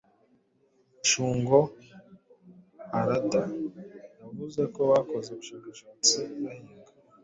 Shungo Harada yavuze ko bakoze ubushakashatsi bahinga